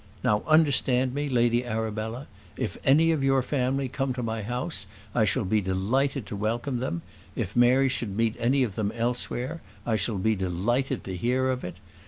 Now understand me, Lady Arabella; if any of your family come to my house I shall be delighted to welcome them: if Mary should meet any of them elsewhere I shall be delighted to hear of it.